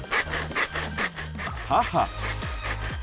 母。